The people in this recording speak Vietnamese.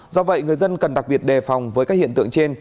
do vậy người dân cần đặc biệt đề phòng với các hiện tượng trên